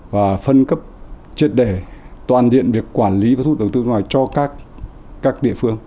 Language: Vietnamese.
và phân cấp triệt để toàn diện việc quản lý và thuốc đầu tư nước ngoài cho các địa phương